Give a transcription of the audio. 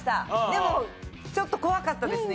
でもちょっと怖かったですね